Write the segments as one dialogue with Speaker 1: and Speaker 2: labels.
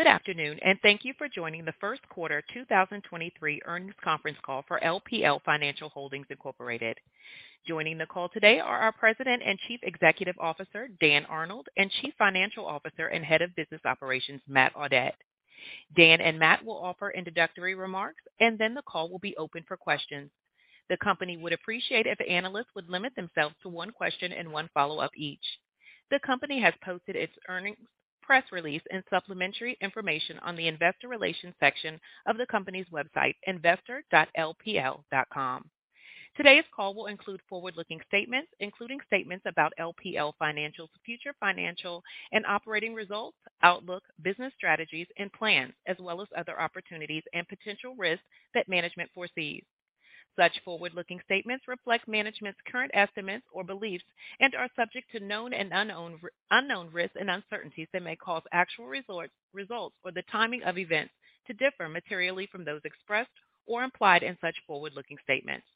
Speaker 1: Good afternoon, and thank you for joining the first quarter 2023 earnings conference call for LPL Financial Holdings Incorporated. Joining the call today are our President and Chief Executive Officer, Dan Arnold, and Chief Financial Officer and Head of Business Operations, Matt Audette. Dan and Matt will offer introductory remarks, and then the call will be open for questions. The company would appreciate if analysts would limit themselves to one question and one follow-up each. The company has posted its earnings press release and supplementary information on the investor relations section of the company's website, investor.lpl.com. Today's call will include forward-looking statements, including statements about LPL Financial's future financial and operating results, outlook, business strategies and plans, as well as other opportunities and potential risks that management foresees. Such forward-looking statements reflect management's current estimates or beliefs and are subject to known and unknown risks and uncertainties that may cause actual results or the timing of events to differ materially from those expressed or implied in such forward-looking statements.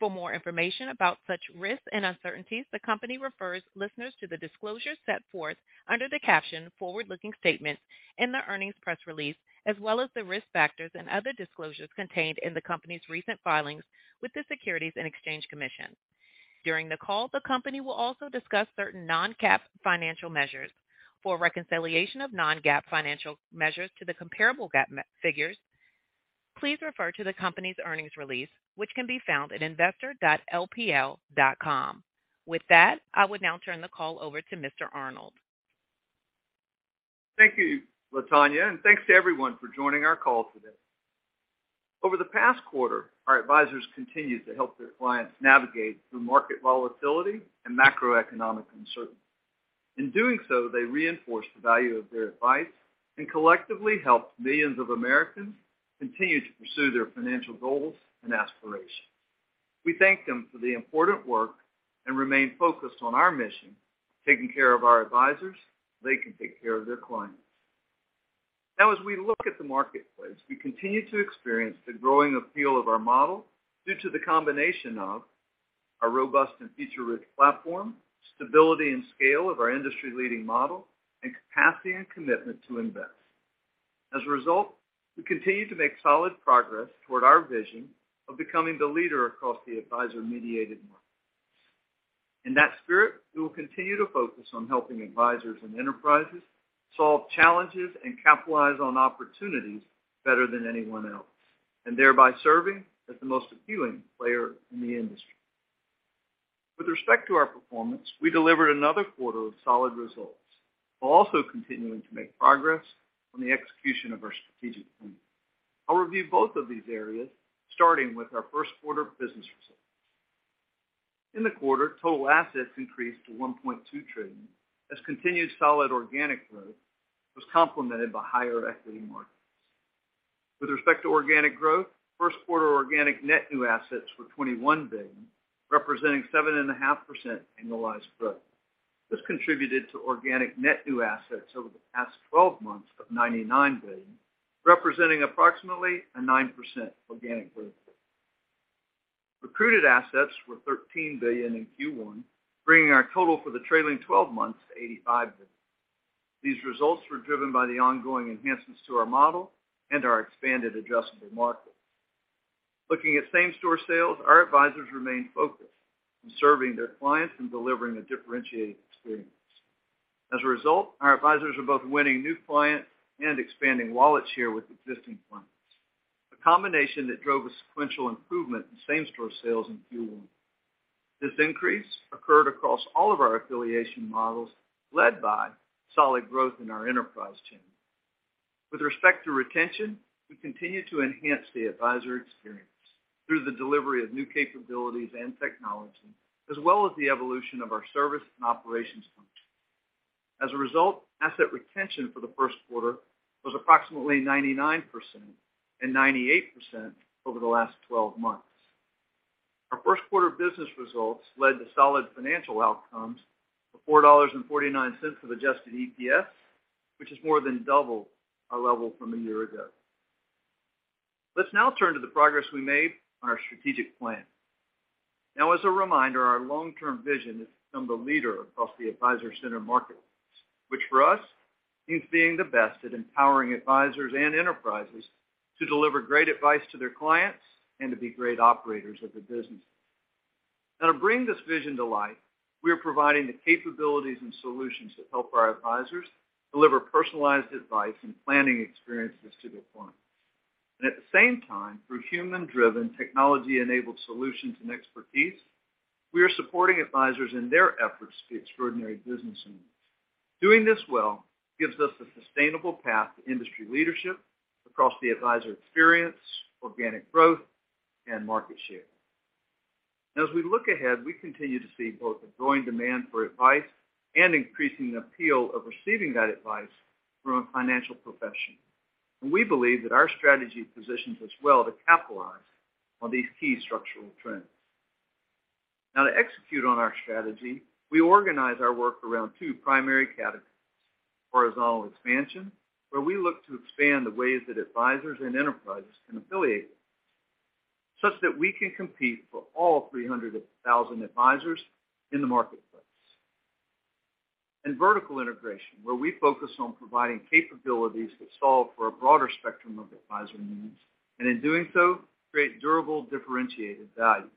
Speaker 1: For more information about such risks and uncertainties, the company refers listeners to the disclosures set forth under the caption Forward-Looking Statements in the earnings press release, as well as the risk factors and other disclosures contained in the company's recent filings with the Securities and Exchange Commission. During the call, the company will also discuss certain non-GAAP financial measures. For a reconciliation of non-GAAP financial measures to the comparable GAAP figures, please refer to the company's earnings release, which can be found at investor.lpl.com. With that, I would now turn the call over to Mr. Arnold.
Speaker 2: Thank you, Latonya, and thanks to everyone for joining our call today. Over the past quarter, our advisors continued to help their clients navigate through market volatility and macroeconomic uncertainty. In doing so, they reinforced the value of their advice and collectively helped millions of Americans continue to pursue their financial goals and aspirations. We thank them for the important work and remain focused on our mission, taking care of our advisors so they can take care of their clients. Now as we look at the marketplace, we continue to experience the growing appeal of our model due to the combination of a robust and feature-rich platform, stability and scale of our industry-leading model, and capacity and commitment to invest. As a result, we continue to make solid progress toward our vision of becoming the leader across the advisor-mediated market. In that spirit, we will continue to focus on helping advisors and enterprises solve challenges and capitalize on opportunities better than anyone else, and thereby serving as the most appealing player in the industry. With respect to our performance, we delivered another quarter of solid results, while also continuing to make progress on the execution of our strategic plan. I'll review both of these areas, starting with our first quarter business results. In the quarter, total assets increased to $1.2 trillion, as continued solid organic growth was complemented by higher equity markets. With respect to organic growth, first quarter organic net new assets were $21 billion, representing 7.5% annualized growth. This contributed to organic net new assets over the past 12 months of $99 billion, representing approximately a 9% organic growth rate. Recruited assets were $13 billion in Q1, bringing our total for the trailing 12 months to $85 billion. These results were driven by the ongoing enhancements to our model and our expanded addressable market. Looking at same-store sales, our advisors remained focused on serving their clients and delivering a differentiated experience. As a result, our advisors are both winning new clients and expanding wallets here with existing clients, a combination that drove a sequential improvement in same-store sales in Q1. This increase occurred across all of our affiliation models, led by solid growth in our enterprise channel. With respect to retention, we continue to enhance the advisor experience through the delivery of new capabilities and technology, as well as the evolution of our service and operations function. As a result, asset retention for the first quarter was approximately 99% and 98% over the last 12 months. Our first quarter business results led to solid financial outcomes of $4.49 of adjusted EPS, which is more than double our level from a year ago. Let's now turn to the progress we made on our strategic plan. As a reminder, our long-term vision is to become the leader across the advisor-centered marketplace, which for us means being the best at empowering advisors and enterprises to deliver great advice to their clients and to be great operators of their business. To bring this vision to life, we are providing the capabilities and solutions that help our advisors deliver personalized advice and planning experiences to their clients. At the same time, through human-driven technology-enabled solutions and expertise, we are supporting advisors in their efforts to be extraordinary business owners. Doing this well gives us a sustainable path to industry leadership across the advisor experience, organic growth, and market share. As we look ahead, we continue to see both a growing demand for advice and increasing appeal of receiving that advice from a financial professional. We believe that our strategy positions us well to capitalize on these key structural trends. To execute on our strategy, we organize our work around two primary categories. Horizontal expansion, where we look to expand the ways that advisors and enterprises can affiliate such that we can compete for all 300,000 advisors in the marketplace. Vertical integration, where we focus on providing capabilities that solve for a broader spectrum of advisor needs, and in doing so, create durable differentiated value.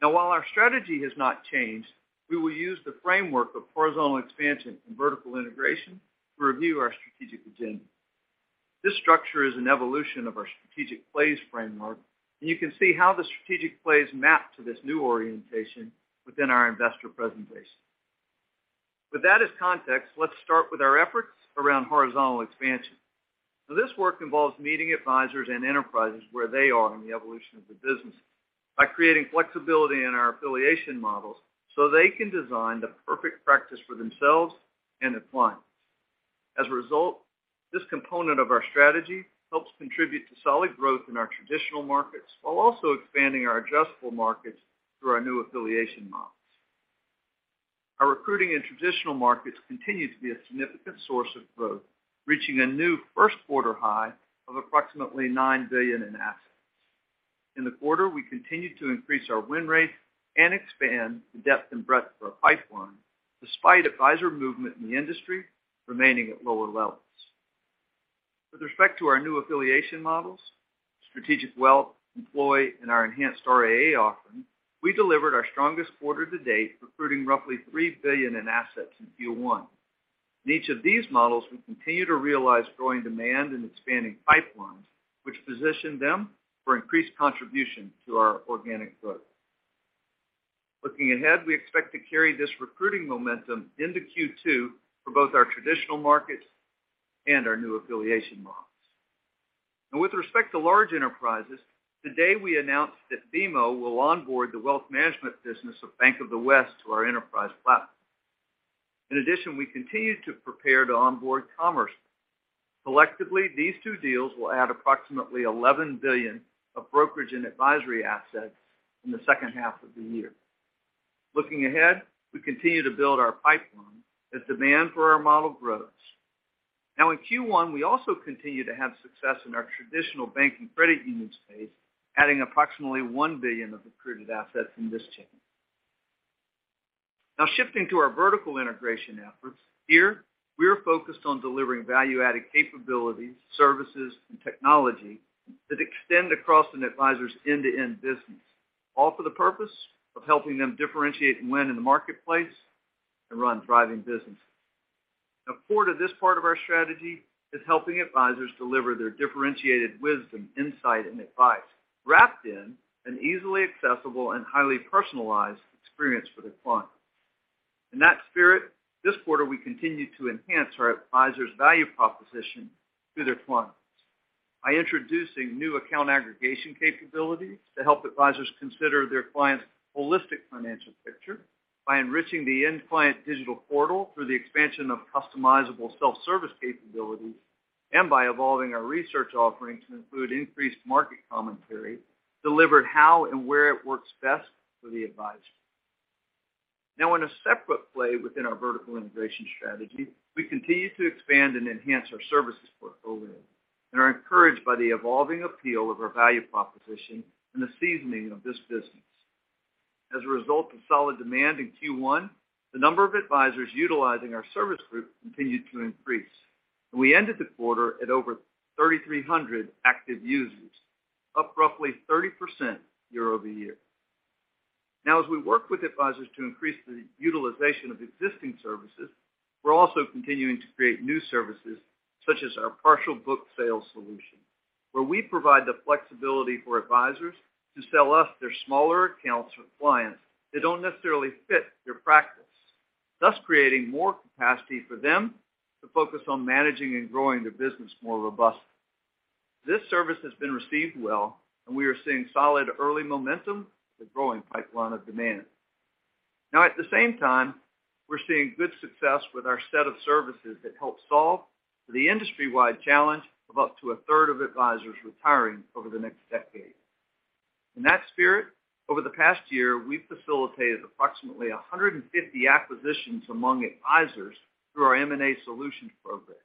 Speaker 2: While our strategy has not changed, we will use the framework of horizontal expansion and vertical integration to review our strategic agenda. This structure is an evolution of our strategic plays framework, and you can see how the strategic plays map to this new orientation within our investor presentation. With that as context, let's start with our efforts around horizontal expansion. This work involves meeting advisors and enterprises where they are in the evolution of the business by creating flexibility in our affiliation models, so they can design the perfect practice for themselves and their clients. As a result, this component of our strategy helps contribute to solid growth in our traditional markets while also expanding our adjustable markets through our new affiliation models. Our recruiting in traditional markets continues to be a significant source of growth, reaching a new first quarter high of approximately $9 billion in assets. In the quarter, we continued to increase our win rate and expand the depth and breadth of our pipeline despite advisor movement in the industry remaining at lower levels. With respect to our new affiliation models, Strategic Wealth, employee, and our enhanced RIA offering, we delivered our strongest quarter to date, recruiting roughly $3 billion in assets in Q1. In each of these models, we continue to realize growing demand and expanding pipelines, which position them for increased contribution to our organic growth. Looking ahead, we expect to carry this recruiting momentum into Q2 for both our traditional markets and our new affiliation models. With respect to large enterprises, today we announced that BMO will onboard the wealth management business of Bank of the West to our enterprise platform. In addition, we continue to prepare to onboard Commerce. Collectively, these two deals will add approximately $11 billion of brokerage and advisory assets in the second half of the year. Looking ahead, we continue to build our pipeline as demand for our model grows. In Q1, we also continue to have success in our traditional bank and credit union space, adding approximately $1 billion of accreted assets in this channel. Shifting to our vertical integration efforts. Here, we are focused on delivering value-added capabilities, services, and technology that extend across an advisor's end-to-end business, all for the purpose of helping them differentiate and win in the marketplace and run thriving businesses. Now core to this part of our strategy is helping advisors deliver their differentiated wisdom, insight, and advice wrapped in an easily accessible and highly personalized experience for their clients. In that spirit, this quarter, we continued to enhance our advisors' value proposition to their clients by introducing new account aggregation capabilities to help advisors consider their clients' holistic financial picture by enriching the end client digital portal through the expansion of customizable self-service capabilities and by evolving our research offerings to include increased market commentary delivered how and where it works best for the advisor. Now in a separate play within our vertical integration strategy, we continue to expand and enhance our services portfolio and are encouraged by the evolving appeal of our value proposition and the seasoning of this business. As a result of solid demand in Q1, the number of advisors utilizing our service group continued to increase. We ended the quarter at over 3,300 active users, up roughly 30% year-over-year. As we work with advisors to increase the utilization of existing services, we're also continuing to create new services such as our Partial Book Sales solution, where we provide the flexibility for advisors to sell us their smaller accounts for clients that don't necessarily fit their practice, thus creating more capacity for them to focus on managing and growing their business more robustly. This service has been received well, and we are seeing solid early momentum with growing pipeline of demand. At the same time, we're seeing good success with our set of services that help solve for the industry-wide challenge of up to a third of advisors retiring over the next decade. In that spirit, over the past year, we've facilitated approximately 150 acquisitions among advisors through our M&A Solutions program.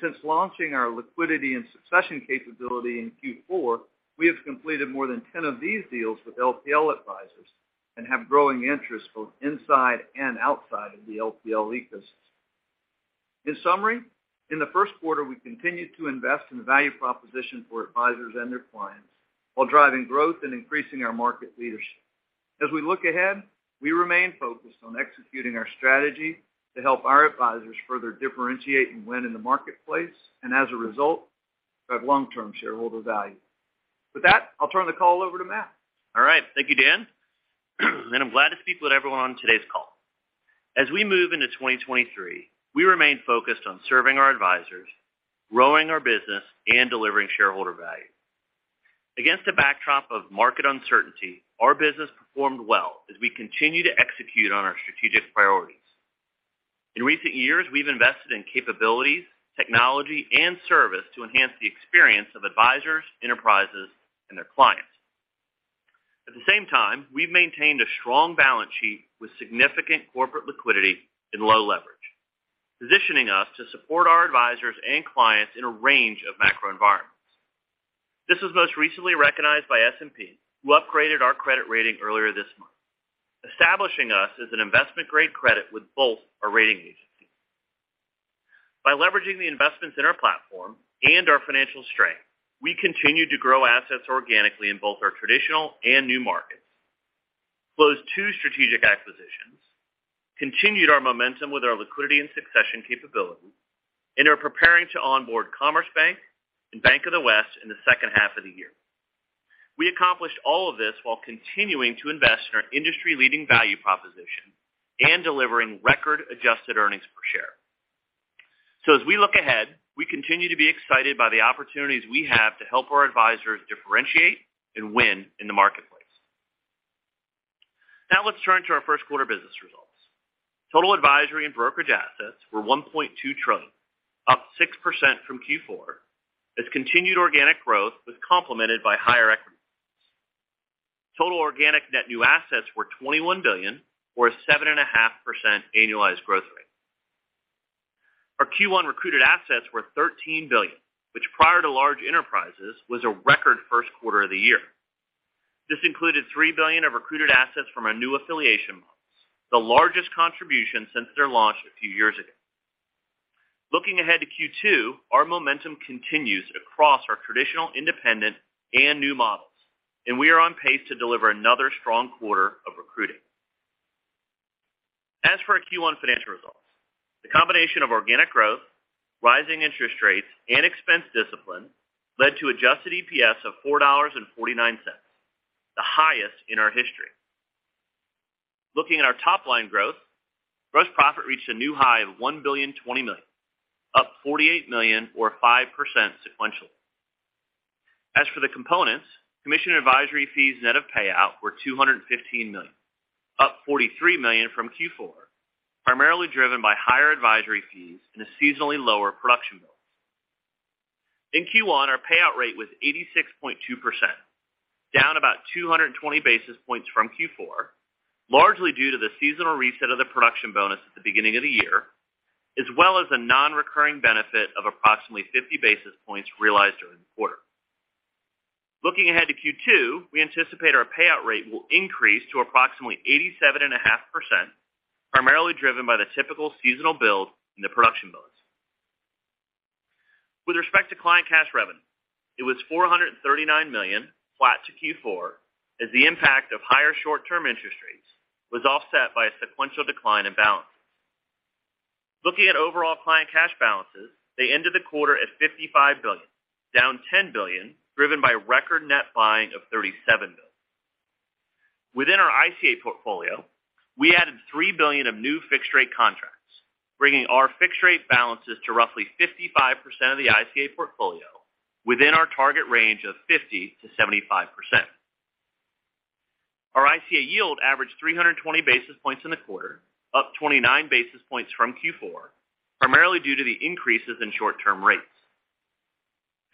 Speaker 2: Since launching our Liquidity & Succession capability in Q4, we have completed more than 10 of these deals with LPL advisors and have growing interest both inside and outside of the LPL ecosystem. In summary, in the first quarter, we continued to invest in the value proposition for advisors and their clients while driving growth and increasing our market leadership. We remain focused on executing our strategy to help our advisors further differentiate and win in the marketplace, and as a result, drive long-term shareholder value. With that, I'll turn the call over to Matt.
Speaker 3: All right. Thank you, Dan. I'm glad to speak with everyone on today's call. As we move into 2023, we remain focused on serving our advisors, growing our business, and delivering shareholder value. Against a backdrop of market uncertainty, our business performed well as we continue to execute on our strategic priorities. In recent years, we've invested in capabilities, technology, and service to enhance the experience of advisors, enterprises, and their clients. At the same time, we've maintained a strong balance sheet with significant corporate liquidity and low leverage, positioning us to support our advisors and clients in a range of macro environments. This was most recently recognized by S&P, who upgraded our credit rating earlier this month, establishing us as an investment-grade credit with both our rating agencies. By leveraging the investments in our platform and our financial strength, we continued to grow assets organically in both our traditional and new markets, closed two strategic acquisitions, continued our momentum with our Liquidity & Succession capability, and are preparing to onboard Commerce Bank and Bank of the West in the second half of the year. We accomplished all of this while continuing to invest in our industry-leading value proposition and delivering record adjusted earnings per share. As we look ahead, we continue to be excited by the opportunities we have to help our advisors differentiate and win in the marketplace. Let's turn to our first quarter business results. Total advisory and brokerage assets were $1.2 trillion, up 6% from Q4 as continued organic growth was complemented by higher equity. Total organic net new assets were $21 billion, or a 7.5% annualized growth rate. Our Q1 recruited assets were $13 billion, which prior to large enterprises was a record first quarter of the year. This included $3 billion of recruited assets from our new affiliation models, the largest contribution since their launch a few years ago. Looking ahead to Q2, our momentum continues across our traditional, independent and new models. We are on pace to deliver another strong quarter of recruiting. As for our Q1 financial results, the combination of organic growth, rising interest rates and expense discipline led to adjusted EPS of $4.49, the highest in our history. Looking at our top line growth, Gross Profit reached a new high of $1.02 billion, up $48 million or 5% sequentially. As for the components, commission advisory fees net of payout were $215 million, up $43 million from Q4, primarily driven by higher advisory fees and a seasonally lower production bill. In Q1, our payout rate was 86.2%, down about 220 basis points from Q4, largely due to the seasonal reset of the production bonus at the beginning of the year, as well as a non-recurring benefit of approximately 50 basis points realized during the quarter. Looking ahead to Q2, we anticipate our payout rate will increase to approximately 87.5%, primarily driven by the typical seasonal build in the production bonus. With respect to client cash revenue, it was $439 million flat to Q4 as the impact of higher short-term interest rates was offset by a sequential decline in balances. Looking at overall client cash balances, they ended the quarter at $55 billion, down $10 billion, driven by record net buying of $37 billion. Within our ICA portfolio, we added $3 billion of new fixed-rate contracts, bringing our fixed-rate balances to roughly 55% of the ICA portfolio within our target range of 50%-75%. Our ICA yield averaged 320 basis points in the quarter, up 29 basis points from Q4, primarily due to the increases in short-term rates.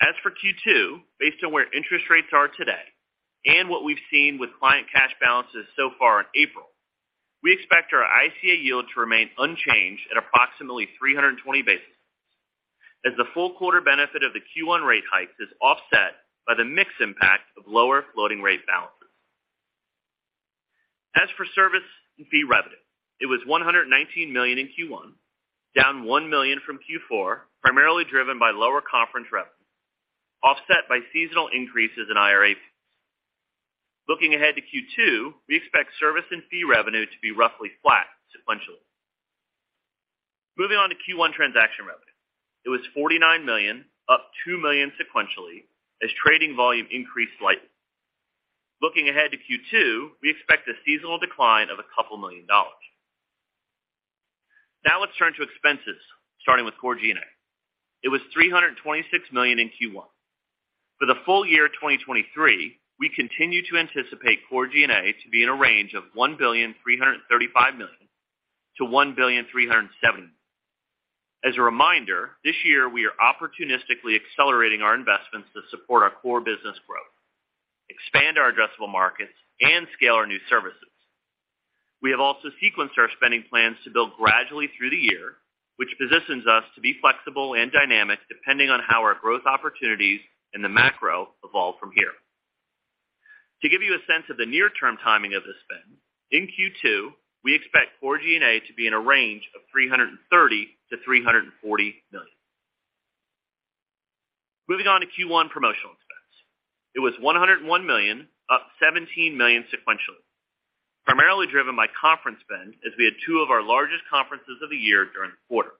Speaker 3: As for Q2, based on where interest rates are today and what we've seen with client cash balances so far in April, we expect our ICA yield to remain unchanged at approximately 320 basis points as the full quarter benefit of the Q1 rate hike is offset by the mixed impact of lower floating rate balances. As for service and fee revenue, it was $119 million in Q1, down $1 million from Q4, primarily driven by lower conference revenue, offset by seasonal increases in IRA fees. Looking ahead to Q2, we expect service and fee revenue to be roughly flat sequentially. Moving on to Q1 transaction revenue. It was $49 million, up $2 million sequentially as trading volume increased slightly. Looking ahead to Q2, we expect a seasonal decline of $2 million. Let's turn to expenses, starting with core G&A. It was $326 million in Q1. For the full year 2023, we continue to anticipate core G&A to be in a range of $1.335 billion-$1.370 billion. As a reminder, this year we are opportunistically accelerating our investments to support our core business growth, expand our addressable markets, and scale our new services. We have also sequenced our spending plans to build gradually through the year, which positions us to be flexible and dynamic depending on how our growth opportunities and the macro evolve from here. To give you a sense of the near-term timing of this spend, in Q2 we expect core G&A to be in a range of $330 million-$340 million. Moving on to Q1 promotional expense. It was $101 million, up $17 million sequentially, primarily driven by conference spend as we had two of our largest conferences of the year during the quarter.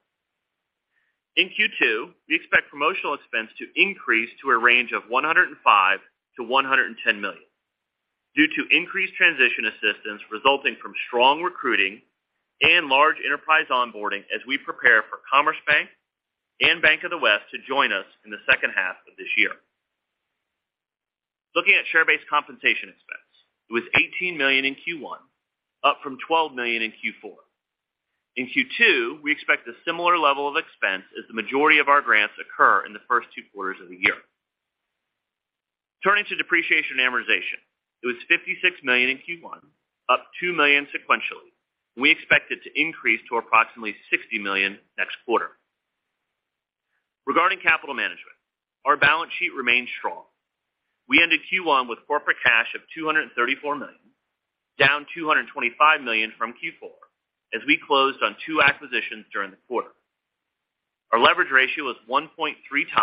Speaker 3: In Q2, we expect promotional expense to increase to a range of $105 million-$110 million due to increased transition assistance resulting from strong recruiting and large enterprise onboarding as we prepare for Commerce Bank and Bank of the West to join us in the second half of this year. Looking at share-based compensation expense. It was $18 million in Q1, up from $12 million in Q4. In Q2, we expect a similar level of expense as the majority of our grants occur in the first two quarters of the year. Turning to depreciation and amortization, it was $56 million in Q1, up $2 million sequentially. We expect it to increase to approximately $60 million next quarter. Regarding capital management, our balance sheet remains strong. We ended Q1 with corporate cash of $234 million, down $225 million from Q4 as we closed on two acquisitions during the quarter. Our leverage ratio was 1.3x,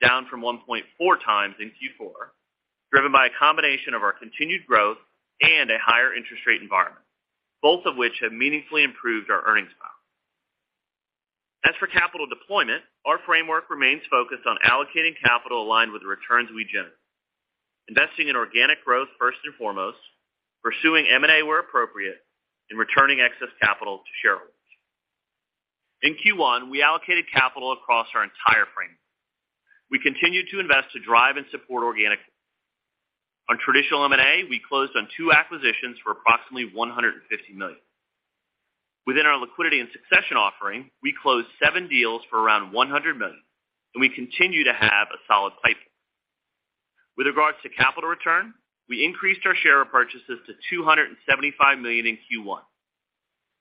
Speaker 3: down from 1.4x in Q4, driven by a combination of our continued growth and a higher interest rate environment, both of which have meaningfully improved our earnings power. As for capital deployment, our framework remains focused on allocating capital aligned with the returns we generate. Investing in organic growth first and foremost, pursuing M&A where appropriate, and returning excess capital to shareholders. In Q1, we allocated capital across our entire frame. We continued to invest to drive and support organic growth. On traditional M&A, we closed on two acquisitions for approximately $150 million. Within our Liquidity & Succession offering, we closed seven deals for around $100 million, and we continue to have a solid pipeline. With regards to capital return, we increased our share purchases to $275 million in Q1.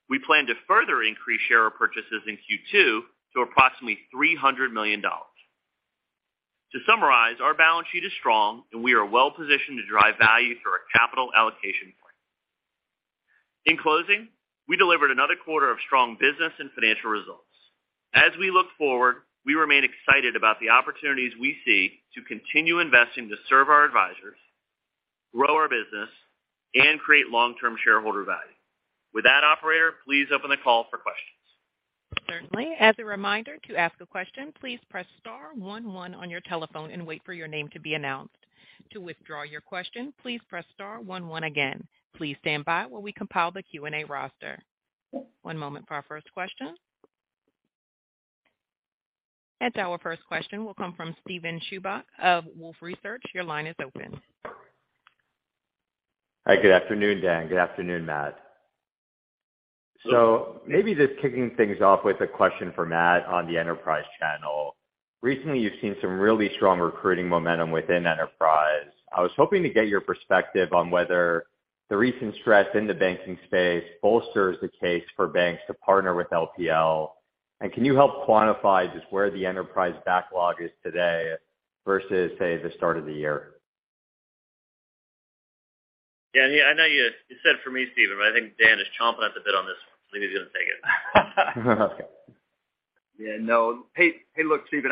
Speaker 3: We plan to further increase share purchases in Q2 to approximately $300 million. To summarize, our balance sheet is strong, and we are well-positioned to drive value through our capital allocation plan. In closing, we delivered another quarter of strong business and financial results. As we look forward, we remain excited about the opportunities we see to continue investing to serve our advisors, grow our business, and create long-term shareholder value. With that, operator, please open the call for questions.
Speaker 1: Certainly. As a reminder, to ask a question, please press star one one on your telephone and wait for your name to be announced. To withdraw your question, please press star one one again. Please stand by while we compile the Q&A roster. One moment for our first question. That's our first question. We'll come from Steven Chuback of Wolfe Research. Your line is open.
Speaker 4: Hi, good afternoon, Dan. Good afternoon, Matt. Maybe just kicking things off with a question for Matt on the enterprise channel. Recently, you've seen some really strong recruiting momentum within enterprise. I was hoping to get your perspective on whether the recent stress in the banking space bolsters the case for banks to partner with LPL. Can you help quantify just where the enterprise backlog is today versus, say, the start of the year?
Speaker 3: Yeah, I know you said for me, Steven, but I think Dan is chomping at the bit on this one. Maybe he's going to take it.
Speaker 4: Okay.
Speaker 2: Yeah, no. Hey, look, Steven,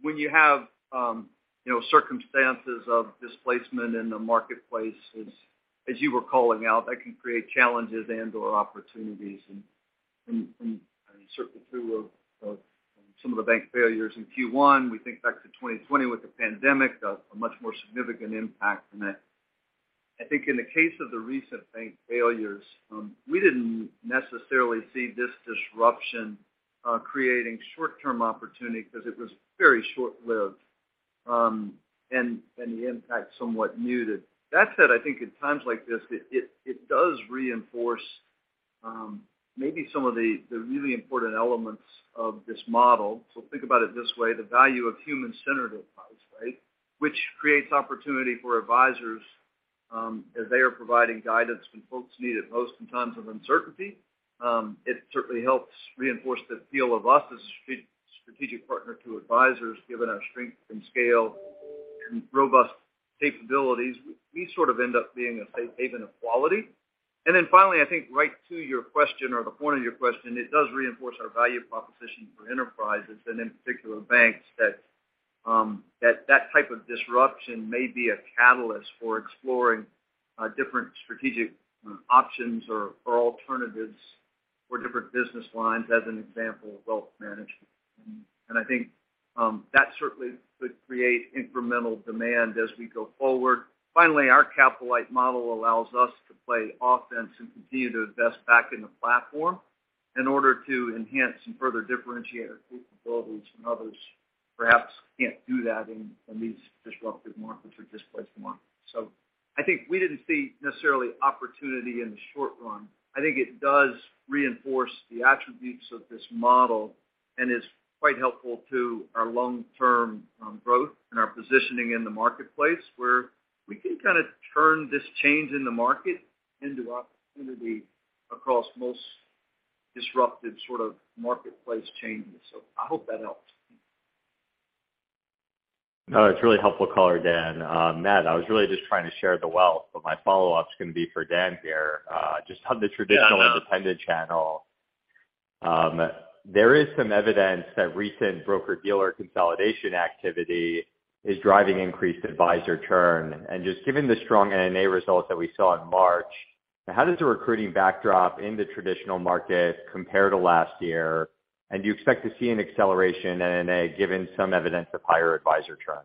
Speaker 2: when you have, you know, circumstances of displacement in the marketplace, as you were calling out, that can create challenges and or opportunities. I mean, certainly through of some of the bank failures in Q1, we think back to 2020 with the pandemic, a much more significant impact than that. I think in the case of the recent bank failures, we didn't necessarily see this disruption creating short-term opportunity because it was very short-lived, and the impact somewhat muted. That said, I think in times like this, it does reinforce, maybe some of the really important elements of this model. Think about it this way, the value of human-centered advice, right? Which creates opportunity for advisors, as they are providing guidance when folks need it most in times of uncertainty. It certainly helps reinforce the feel of us as a strategic partner to advisors, given our strength and scale and robust capabilities. We sort of end up being a safe haven of quality. Finally, I think right to your question or the point of your question, it does reinforce our value proposition for enterprises, and in particular, banks, that type of disruption may be a catalyst for exploring, different strategic options or alternatives for different business lines as an example of wealth management. I think, that certainly could create incremental demand as we go forward. Finally, our capital-light model allows us to play offense and continue to invest back in the platform in order to enhance and further differentiate our capabilities from others perhaps can't do that in these disruptive markets or displaced markets. I think we didn't see necessarily opportunity in the short run. I think it does reinforce the attributes of this model and is quite helpful to our long-term growth and our positioning in the marketplace, where we can kind of turn this change in the market into opportunity across most disrupted sort of marketplace changes. I hope that helps.
Speaker 4: No, it's really helpful color, Dan. Matt, I was really just trying to share the wealth, but my follow-up's going to be for Dan here. Just on the traditional independent channel, there is some evidence that recent broker-dealer consolidation activity is driving increased advisor churn. Given the strong NNA results that we saw in March, how does the recruiting backdrop in the traditional market compare to last year? Do you expect to see an acceleration in NNA given some evidence of higher advisor churn?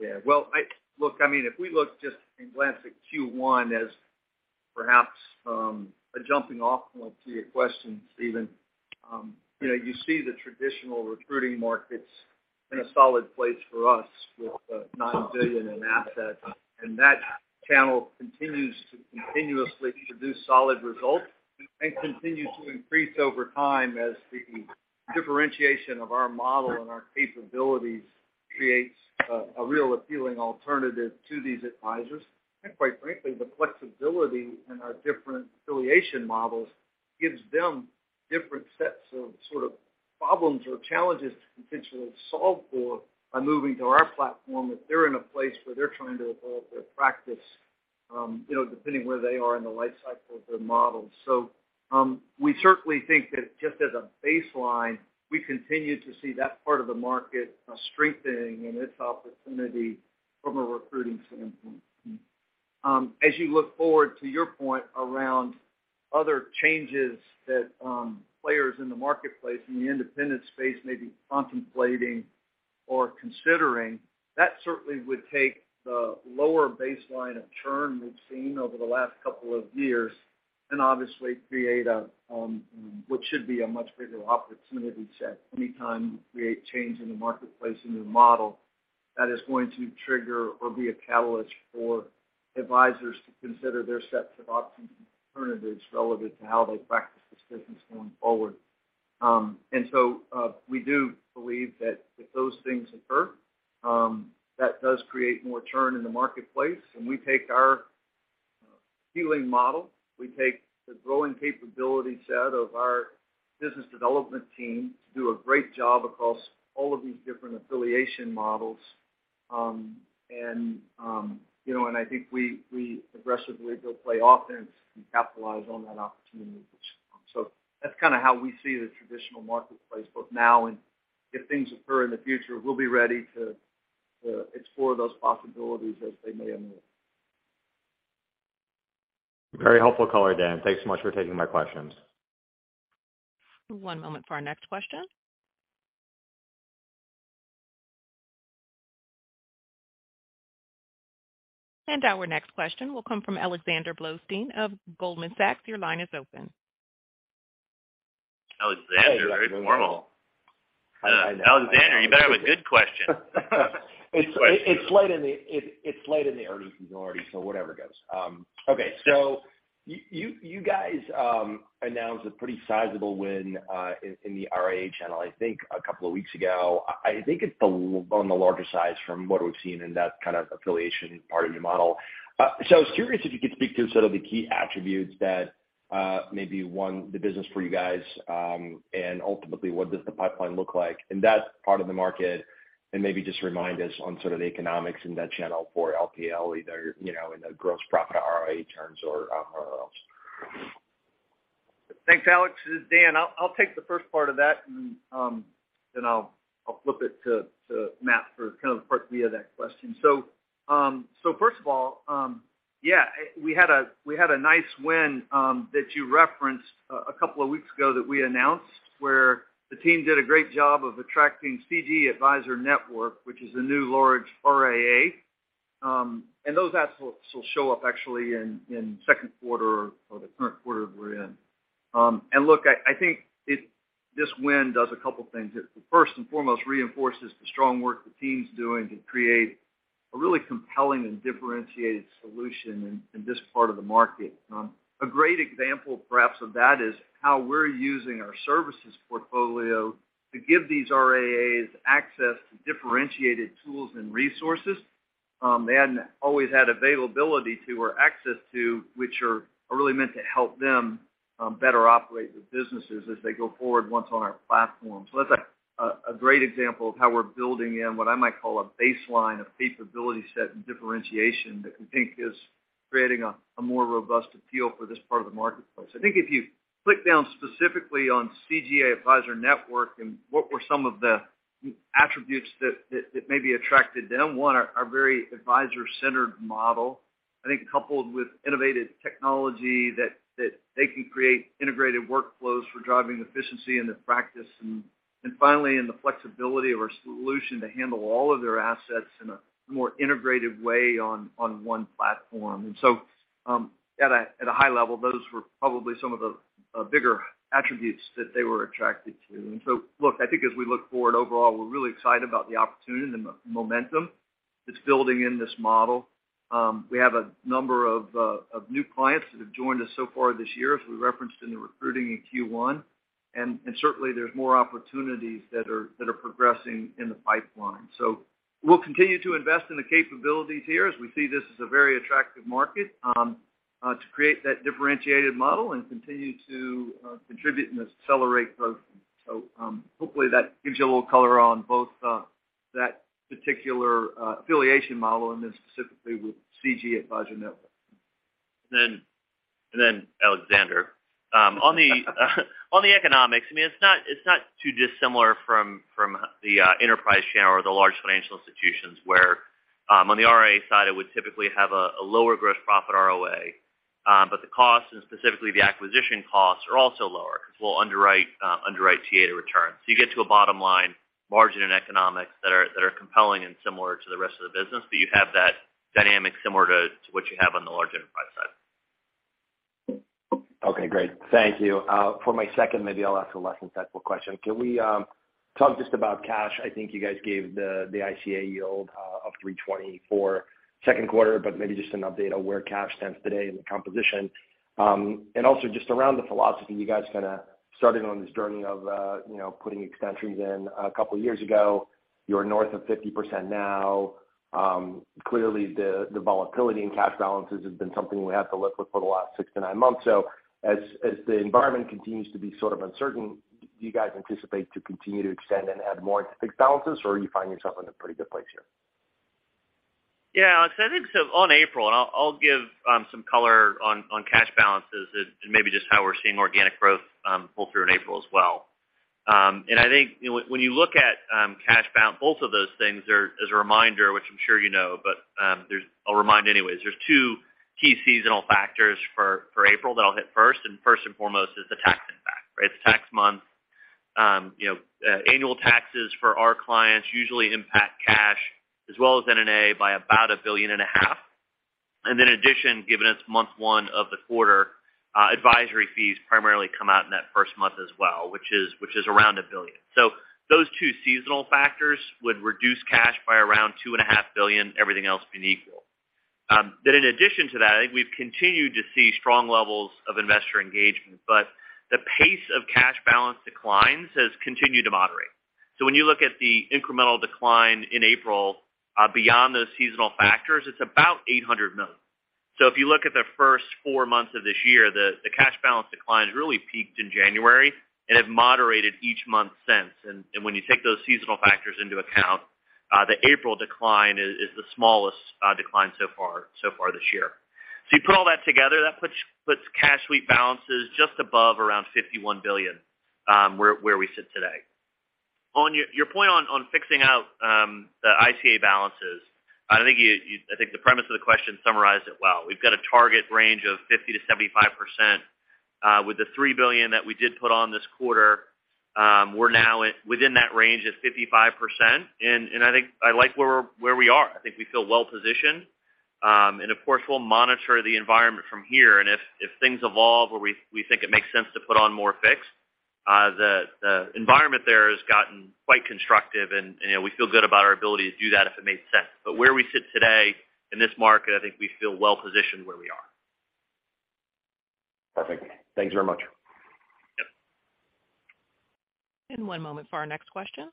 Speaker 2: Yeah. Well, I look, I mean, if we look just and glance at Q1 as perhaps, a jumping off point to your question, Steven. You know, you see the traditional recruiting markets in a solid place for us with $9 billion in assets. That channel continues to continuously produce solid results and continues to increase over time as the differentiation of our model and our capabilities creates a real appealing alternative to these advisors. Quite frankly, the flexibility in our different affiliation models gives them different sets of sort of problems or challenges to potentially solve for by moving to our platform, if they're in a place where they're trying to evolve their practice, you know, depending where they are in the life cycle of their model. We certainly think that just as a baseline, we continue to see that part of the market strengthening and its opportunity from a recruiting standpoint. As you look forward to your point around other changes that players in the marketplace in the independent space may be contemplating or considering, that certainly would take the lower baseline of churn we've seen over the last two years and obviously create a what should be a much bigger opportunity set. Anytime you create change in the marketplace in your model, that is going to trigger or be a catalyst for advisors to consider their sets of options and alternatives relevant to how they practice this business going forward. We do believe that if those things occur, that does create more churn in the marketplace. We take our scaling model. We take the growing capability set of our business development team to do a great job across all of these different affiliation models. You know, I think we aggressively go play offense and capitalize on that opportunity which. That's kinda how we see the traditional marketplace both now and if things occur in the future, we'll be ready to explore those possibilities as they may emerge.
Speaker 4: Very helpful color, Dan. Thanks so much for taking my questions.
Speaker 1: One moment for our next question. Our next question will come from Alexander Blostein of Goldman Sachs. Your line is open.
Speaker 3: Alexander, very formal.
Speaker 2: I know.
Speaker 3: Alexander, you better have a good question.
Speaker 5: It's late in the earnings already. Whatever goes. Okay, you guys announced a pretty sizable win in the RIA channel, I think a couple of weeks ago. I think it's the, on the larger size from what we've seen in that kind of affiliation part of your model. I was curious if you could speak to sort of the key attributes that maybe won the business for you guys, and ultimately, what does the pipeline look like in that part of the market? Maybe just remind us on sort of the economics in that channel for LPL, either, you know, in the Gross Profit RIA terms or else.
Speaker 2: Thanks, Alex. This is Dan. I'll take the first part of that, then I'll flip it to Matt for kind of the part via that question. First of all, yeah, we had a nice win that you referenced a couple of weeks ago that we announced, where the team did a great job of attracting CG Advisor Network, which is a new large RIA. And those assets will show up actually in second quarter or the current quarter we're in. And look, I think this win does a couple things. It, first and foremost, reinforces the strong work the team's doing to create a really compelling and differentiated solution in this part of the market. A great example, perhaps, of that is how we're using our services portfolio to give these RIAs access to differentiated tools and resources, they hadn't always had availability to or access to, which are really meant to help them better operate the businesses as they go forward once on our platform. That's a great example of how we're building in what I might call a baseline of capability set and differentiation that we think is creating a more robust appeal for this part of the marketplace. I think if you click down specifically on CG Advisor Network and what were some of the attributes that maybe attracted them, one, our very advisor-centered model. I think coupled with innovative technology that they can create integrated workflows for driving efficiency in the practice and finally in the flexibility of our solution to handle all of their assets in a more integrated way on one platform. At a high level, those were probably some of the bigger attributes that they were attracted to. Look, I think as we look forward overall, we're really excited about the opportunity and the momentum that's building in this model. We have a number of new clients that have joined us so far this year, as we referenced in the recruiting in Q1. Certainly there's more opportunities that are progressing in the pipeline. We'll continue to invest in the capabilities here as we see this as a very attractive market, to create that differentiated model and continue to contribute and accelerate growth. Hopefully that gives you a little color on both that particular affiliation model, and then specifically with CG Advisor Network.
Speaker 3: Alexander, I mean, it's not too dissimilar from the enterprise channel or the large financial institutions where on the RIA side, it would typically have a lower Gross Profit ROA. The costs, and specifically the acquisition costs, are also lower 'cause we'll underwrite TA to return. You get to a bottom line margin in economics that are compelling and similar to the rest of the business, but you have that dynamic similar to what you have on the large enterprise side.
Speaker 5: Okay, great. Thank you. For my second, maybe I'll ask a less insightful question. Can we talk just about cash? I think you guys gave the ICA yield of 3.24 2Q, but maybe just an update on where cash stands today in the composition. Also just around the philosophy, you guys kind of started on this journey of, you know, putting extensories in a couple years ago. You're north of 50% now. Clearly the volatility in cash balances has been something we have to live with for the last 6 to 9 months. As the environment continues to be sort of uncertain, do you guys anticipate to continue to extend and add more to fixed balances, or you find yourself in a pretty good place here?
Speaker 3: I think so on April, and I'll give some color on cash balances and maybe just how we're seeing organic growth pull through in April as well. I think, you know, when you look at cash both of those things are as a reminder, which I'm sure you know, but there's I'll remind anyways. There's two key seasonal factors for April that I'll hit first, and first and foremost is the tax impact, right? It's tax month. You know, annual taxes for our clients usually impact cash as well as NNA by about $1.5 billion. In addition, given it's month one of the quarter, advisory fees primarily come out in that first month as well, which is around $1 billion. Those two seasonal factors would reduce cash by around $2 and a half billion, everything else being equal. In addition to that, I think we've continued to see strong levels of investor engagement, but the pace of cash balance declines has continued to moderate. When you look at the incremental decline in April, beyond those seasonal factors, it's about $800 million. If you look at the first four months of this year, the cash balance declines really peaked in January and have moderated each month since. When you take those seasonal factors into account, the April decline is the smallest decline so far this year. You put all that together, that puts cash sweep balances just above around $51 billion, where we sit today. On your point on fixing out the ICA balances, I think the premise of the question summarized it well. We've got a target range of 50%-75%. With the $3 billion that we did put on this quarter, we're now within that range at 55%. I think I like where we are. I think we feel well positioned. Of course, we'll monitor the environment from here. If things evolve where we think it makes sense to put on more fixed, the environment there has gotten quite constructive, and, you know, we feel good about our ability to do that if it makes sense. Where we sit today in this market, I think we feel well positioned where we are.
Speaker 5: Perfect. Thanks very much.
Speaker 3: Yep.
Speaker 1: One moment for our next question.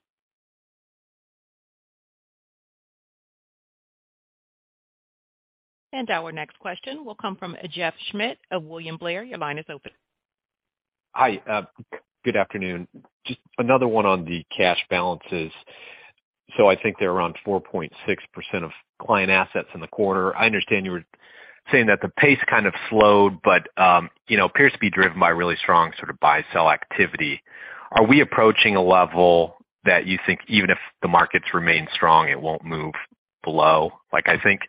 Speaker 1: Our next question will come from Jeff Schmitt of William Blair. Your line is open.
Speaker 6: Hi. good afternoon. Just another one on the cash balances. I think they're around 4.6% of client assets in the quarter. I understand you were saying that the pace kind of slowed, but, you know, appears to be driven by really strong sort of buy-sell activity. Are we approaching a level that you think even if the markets remain strong, it won't move below? Like, I think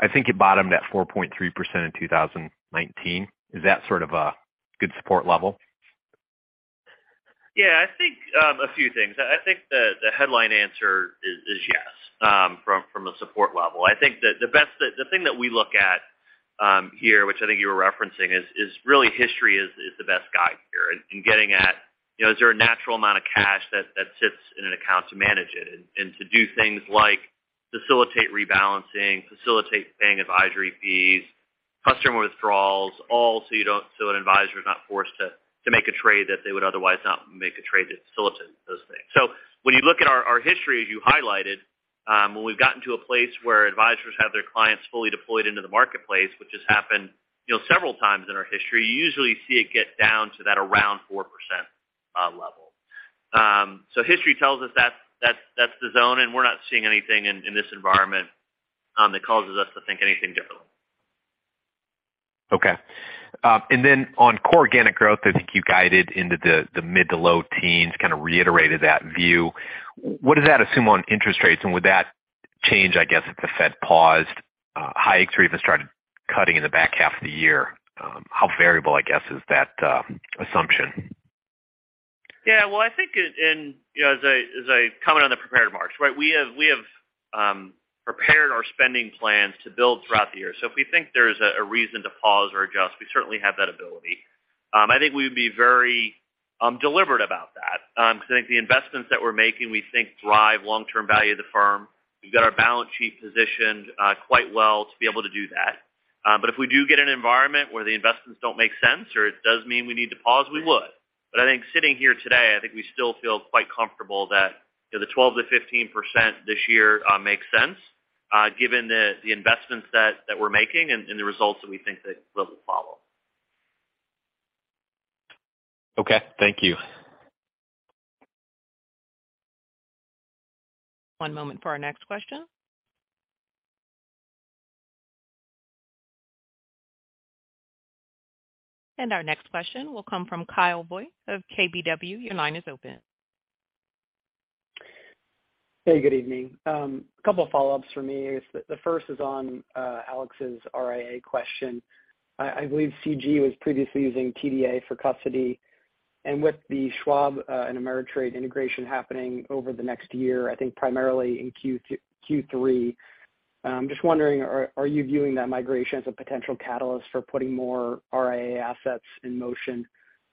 Speaker 6: it bottomed at 4.3% in 2019. Is that sort of a good support level?
Speaker 3: I think, a few things. I think the headline answer is yes, from a support level. I think that the thing that we look at here, which I think you were referencing, is really history is the best guide here in getting at, you know, is there a natural amount of cash that sits in an account to manage it and to do things like facilitate rebalancing, facilitate paying advisory fees, customer withdrawals, all so an advisor is not forced to make a trade that they would otherwise not make a trade to facilitate those things. When you look at our history, as you highlighted, when we've gotten to a place where advisors have their clients fully deployed into the marketplace, which has happened, you know, several times in our history, you usually see it get down to that around 4% level. History tells us that's the zone, and we're not seeing anything in this environment that causes us to think anything differently.
Speaker 6: Okay. On core organic growth, I think you guided into the mid to low teens, kind of reiterated that view. What does that assume on interest rates, and would that change, I guess, if the Fed paused hikes or even started cutting in the back half of the year? How variable, I guess, is that assumption?
Speaker 3: Yeah. Well, I think it, and, you know, as I comment on the prepared remarks, right. We have prepared our spending plans to build throughout the year. If we think there's a reason to pause or adjust, we certainly have that ability. I think we would be very deliberate about that because I think the investments that we're making, we think drive long-term value of the firm. We've got our balance sheet positioned quite well to be able to do that. If we do get an environment where the investments don't make sense or it does mean we need to pause, we would. I think sitting here today, I think we still feel quite comfortable that, you know, the 12%-15% this year, makes sense, given the investments that we're making and the results that we think that will follow.
Speaker 6: Okay. Thank you.
Speaker 1: One moment for our next question. Our next question will come from Kyle Voigt of KBW. Your line is open.
Speaker 7: Hey, good evening. A couple follow-ups for me is the first is on Alex's RIA question. I believe CG was previously using TDA for custody. With the Schwab and Ameritrade integration happening over the next year, I think primarily in Q3, just wondering, are you viewing that migration as a potential catalyst for putting more RIA assets in motion?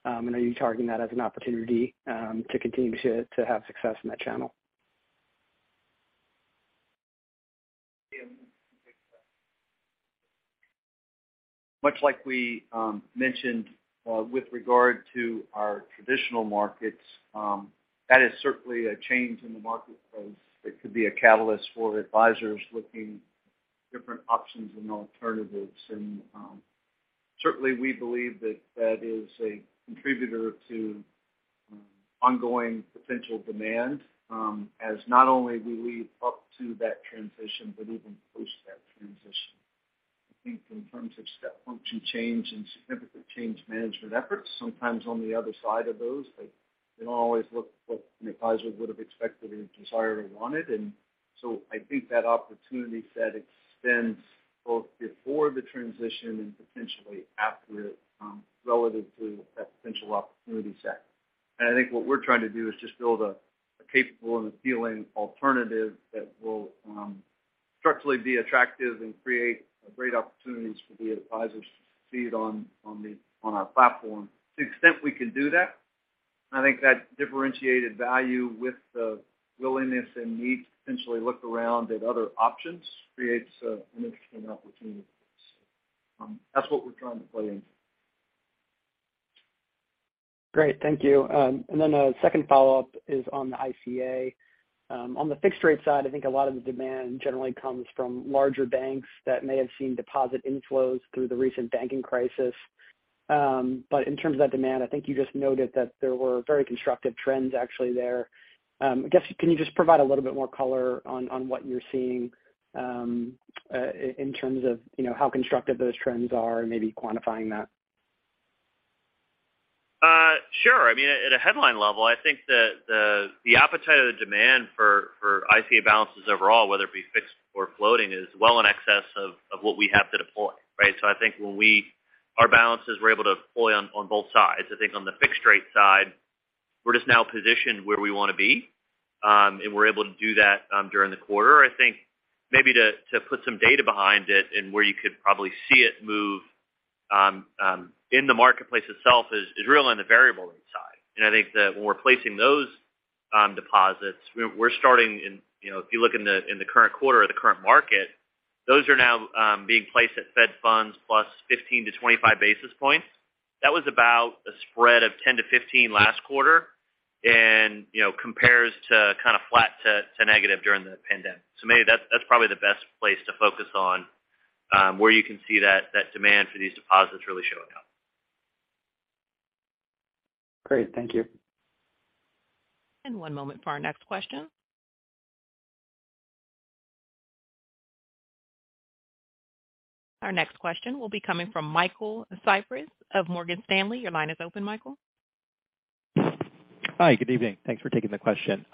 Speaker 7: Are you targeting that as an opportunity to continue to have success in that channel?
Speaker 2: Much like we mentioned with regard to our traditional markets, that is certainly a change in the marketplace that could be a catalyst for advisors looking different options and alternatives. Certainly we believe that that is a contributor to ongoing potential demand as not only do we lead up to that transition, but even post that transition. I think in terms of step function change and significant change management efforts, sometimes on the other side of those, they don't always look what an advisor would have expected or desired or wanted. I think that opportunity set extends both before the transition and potentially after relative to that potential opportunity set. I think what we're trying to do is just build a capable and appealing alternative that will structurally be attractive and create great opportunities for the advisors to succeed on our platform. To the extent we can do that, I think that differentiated value with the willingness and need to potentially look around at other options creates an interesting opportunity for us. That's what we're trying to play into.
Speaker 7: Great. Thank you. A second follow-up is on the ICA. On the fixed rate side, I think a lot of the demand generally comes from larger banks that may have seen deposit inflows through the recent banking crisis. In terms of that demand, I think you just noted that there were very constructive trends actually there. I guess, can you just provide a little bit more color on what you're seeing, in terms of, you know, how constructive those trends are and maybe quantifying that?
Speaker 3: Sure. I mean, at a headline level, I think that the appetite or the demand for ICA balances overall, whether it be fixed or floating, is well in excess of what we have to deploy, right? I think when our balances, we're able to deploy on both sides. I think on the fixed rate side, we're just now positioned where we want to be, and we're able to do that during the quarter. I think maybe to put some data behind it and where you could probably see it move in the marketplace itself is really on the variable rate side. I think that when we're placing those deposits, we're starting in, you know, if you look in the current quarter or the current market, those are now being placed at Fed funds plus 15 to 25 basis points. That was about a spread of 10 to 15 last quarter and, you know, compares to kind of flat to negative during the pandemic. Maybe that's probably the best place to focus on where you can see that demand for these deposits really showing up.
Speaker 7: Great. Thank you.
Speaker 1: One moment for our next question. Our next question will be coming from Michael Cyprys of Morgan Stanley. Your line is open, Michael.
Speaker 8: Hi. Good evening. Thanks for taking the question.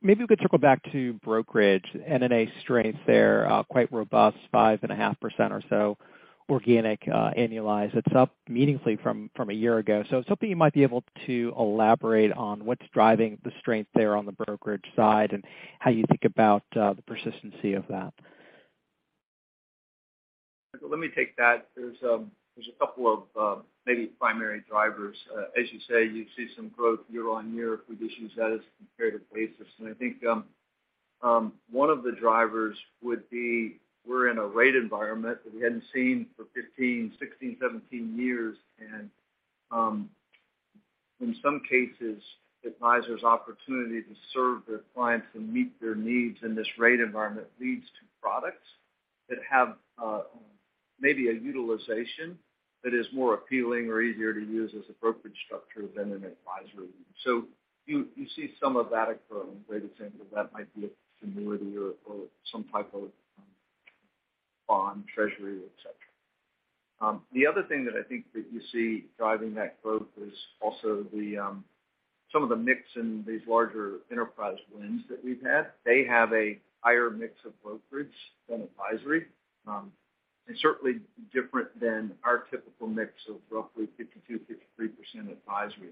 Speaker 8: Maybe we could circle back to brokerage. NNA strength there, quite robust, 5.5% or so organic, annualized. It's up meaningfully from a year ago. I was hoping you might be able to elaborate on what's driving the strength there on the brokerage side and how you think about the persistency of that.
Speaker 2: Michael, let me take that. There's a couple of maybe primary drivers. As you say, you see some growth year-on-year if we just use that as a comparative basis. I think one of the drivers would be we're in a rate environment that we hadn't seen for 15, 16, 17 years. In some cases, advisors' opportunity to serve their clients and meet their needs in this rate environment leads to products that have maybe a utilization that is more appealing or easier to use as a brokerage structure than an advisory. You, you see some of that occurring, where the example of that might be a annuity or some type of bond treasury, et cetera. The other thing that I think that you see driving that growth is also the some of the mix in these larger enterprise wins that we've had. They have a higher mix of brokerage than advisory, and certainly different than our typical mix of roughly 52%, 53% advisory.